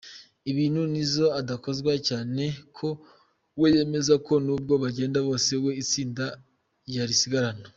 Ibintu Nizzo adakozwa cyane ko we yemeza ko nubwo bagenda bose we itsinda yarisigarana.